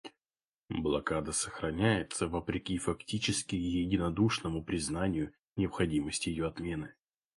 Блокада сохраняется вопреки фактически единодушному признанию необходимости ее отмены.